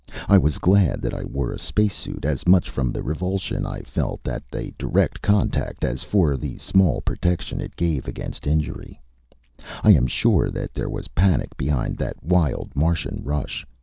I was glad that I wore a spacesuit, as much from the revulsion I felt at a direct contact as for the small protection it gave against injury. I am sure that there was panic behind that wild Martian rush.